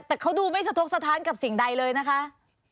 แต่เขาดูไม่สะทกสะท้านกับสิ่งใดเลยนะคะ